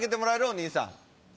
お兄さん。